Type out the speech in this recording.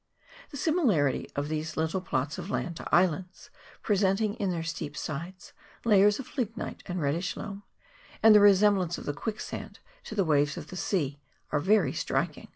The similarity of these little plots of land to islands, presenting in their steep sides layers of lignite and reddish loam, and the resemblance of the quicksand to the waves of the sea, are very striking.